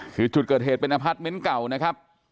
คือจุดเกิดเหตุเป็นอพาร์ทเมนต์เก่านะครับ